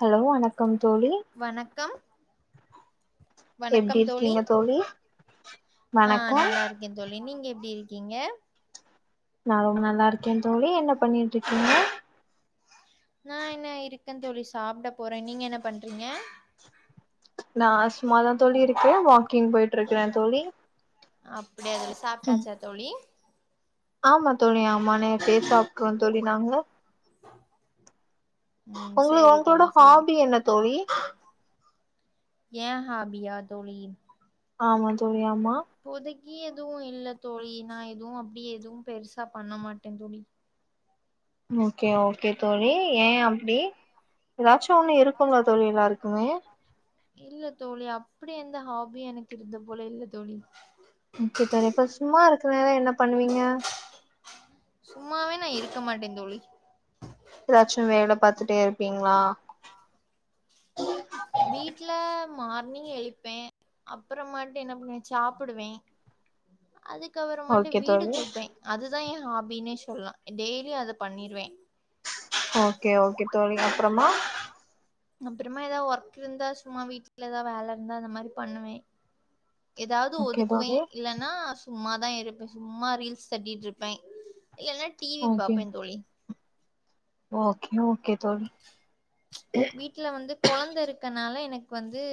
hello வணக்கம் தோழி வணக்கம் எப்டி வணக்கம் தோழி இருக்கீங்க ஆ வணக்கம் நல்லாருக்கே தோழி நீங்க எப்பிடி இருக் க்கீங்க நா ரொம்ப நல்லா இருக்கே தோழி என்ன பண்ணிட்டுருக்கீங்க நா என்ன இருக்கே தோழி சாப்பிட போறே நீங்க என்ன பண்றீங்க நா சும்மாதா தோழி இருக்கே வாக்கிங் போயிட்டு இருக்குறே தோழி அப் ப்பிடியாதுல சாப்பிட்டாச்சா தோழி ஆமா தோழிய ஆமா நேத்தே சாப்ட்றோ தோழி நாங்க ம் உங்க சேரி உங்களோட தோழி சேரி ஹாபி என்ன தோழி ஏ ஹபியா தோழி ஆமா தோழி ஆமா கி எதுவு இல்ல தோழி நா எதுவு அப்பிடியே எதுவு பெருசா பண்ணமாட்டே தோழி ஓகே ஓகே தோழி ஏ அப்பிடி எதாச்சு ட்டு ஒன்னு இருக்கும் இல்ல தோழி எல்லாருக்கு இல்ல தோழி அப்பிடி எந்த ஹாபி எனக்கு இருந்த போல இல்ல தோழி ஓகே தோழி இப்ப சும்மா இருக்குற நேர என்ன பண்ணுவீங்க சும்மாவே நா இருக்கமாட்டே தோழி எதாச்சு வேல பாத்துட்டே இருப்பீங்களா வீட்ல மார்னிங் எழிப்பே அப்புறமாட்டு என்ன பண்ணுவே சாப்பிடுவே அதுக்கப்புறமாட்டு ஓகே வீடு தோழி தூப்பே அது அதா ஏ ஹாபினே சொல்லா டெய்லியு அத பண்ணிருவே ஓகே ஓகே தோழி அப்புறமா அப்றமா எதா ஒர்க் இருந்தா சும்மா வீட்ல ஏதா வேலை இருந்தா அத மாரி பண்ணுவே எதாவது ஓகே ஒதுக்குவே தோழி இல்லன்னா சும்மா தா இருப்பே சும்மா ரீல்ஸ் தட்டிட்டு இருப்பே இல்லன்னா டிவி ஓகே பாப்பே தோழி ஓகே ஓகே தோழி வீட்ல வந்து கொழந்த இருக்கனால எனக்கு வந்து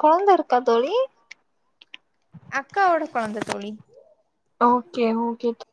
கொழந்த இருக் கா தோழி அக்காவோட கொழந்த தோழி ஓகே ஓகே தோ